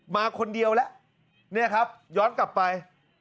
มาคนเดียวแล้วย้อนกลับไป